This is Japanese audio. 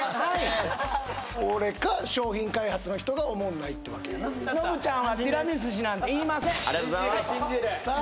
俺か商品開発の人がおもろないってわけやなノブちゃんはティラミスシなんて言いませんさあ